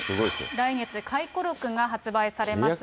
来月、回顧録が発売されます。